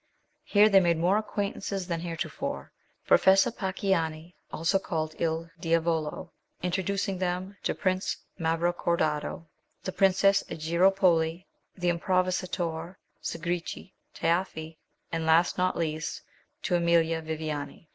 Here they made more acquaintances than heretofore, Professor Pacchiani, called also " II Diavolo," introducing them to the Prince Mavro cordato, the Princess Aigiropoli, the improvisators Sgricci, Taafe, and last, not least, to Emilia Viviaui.